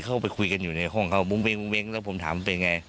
เข้าไปคุยกันอยู่ในห้องเขามุ้งเว้งแล้วผมถามเป็นไง